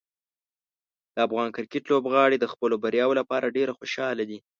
د افغان کرکټ لوبغاړي د خپلو بریاوو لپاره ډېر خوشحاله دي.